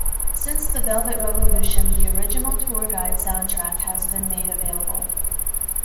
Since the Velvet Revolution, the original tour guide soundtrack has been made available.